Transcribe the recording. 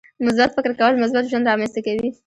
• مثبت فکر کول، مثبت ژوند رامنځته کوي.